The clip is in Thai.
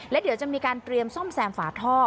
และเดี๋ยวจะมีการเตรียมซ่อมแซมฝาท่อ